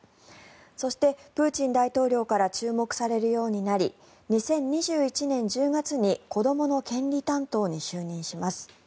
そして、プーチン大統領から注目されるようになり２０２１年１０月に子どもの権利担当に就任します。